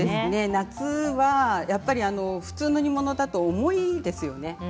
夏は普通の煮物だと重いですよね。